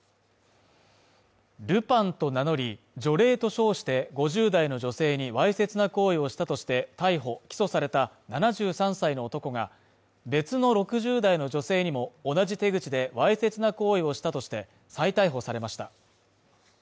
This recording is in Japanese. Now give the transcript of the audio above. ルパンと名乗り、除霊と称して、５０代の女性にわいせつな行為をしたとして逮捕・起訴された７３歳の男が、別の６０代の女性にも同じ手口でわいせつな行為をしたとして再逮捕されました。